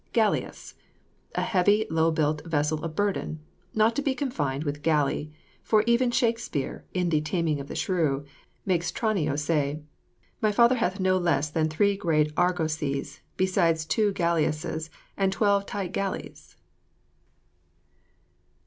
GALLIAS. A heavy, low built vessel of burden. Not to be confounded with galley, for even Shakspeare, in the Taming of the Shrew, makes Tranio say: "My father hath no less Than three great argosies; besides two galeasses, And twelve tight galleys."